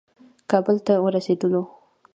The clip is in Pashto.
کابل ته ورسېدلو.